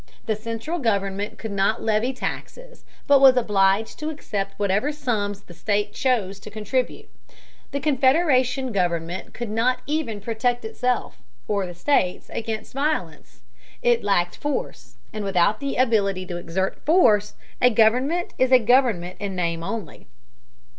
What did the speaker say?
The central government could not levy taxes, but was obliged to accept whatever sums the states chose to contribute. The Confederation government could not even protect itself, or the states, against violence. It lacked force, and without the ability to exert force, a government is a government in name only.